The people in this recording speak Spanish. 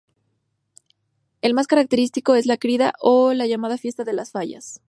El más característico es la "crida" o llamada de la fiesta de las Fallas.